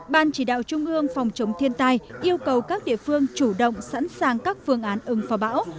ban chỉ đạo trung ương phòng chống thiên tai yêu cầu các địa phương chủ động sẵn sàng các phương án ứng phó bão